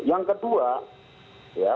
yang kedua ya